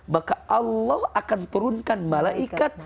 maka allah akan turunkan malaikat